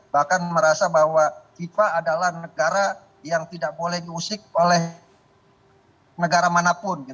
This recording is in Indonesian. bahkan merasa bahwa fifa adalah negara yang tidak boleh diusik oleh negara manapun